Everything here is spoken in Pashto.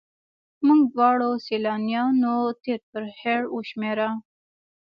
موږ دواړو سیلانیانو تېر پر هېر وشمېره.